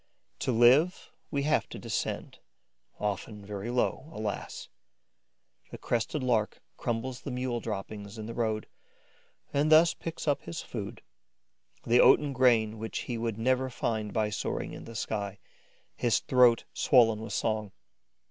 To live, we have to descend, often very low, alas! The Crested Lark crumbles the mule droppings in the road and thus picks up his food, the oaten grain which he would never find by soaring in the sky, his throat swollen with song.